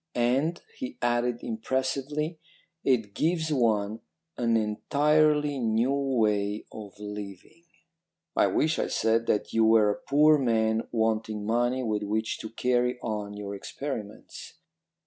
'And,' he added impressively, 'it gives one an entirely new way of living.' "'I wish,' I said, 'that you were a poor man wanting money with which to carry on your experiments.